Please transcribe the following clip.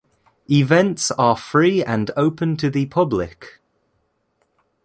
Events are free and open to the public.